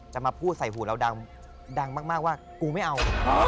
มาพูดใส่หูเราดังมากว่ากูไม่เอา